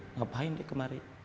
mengapain dia kemari